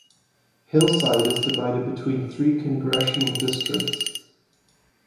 Hillside is divided between three congressional districts.